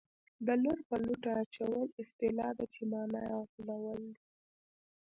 د لور په لوټه اچول اصطلاح ده چې مانا یې غولول دي